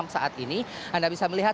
tiga puluh enam saat ini anda bisa melihat